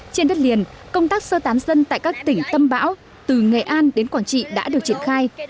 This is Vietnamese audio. trên đất liền công tác sơ tán dân tại các tỉnh tâm bão từ nghệ an đến quảng trị đã được triển khai